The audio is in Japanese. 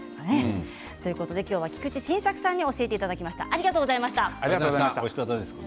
今日は菊池晋作さんに教えていただきました。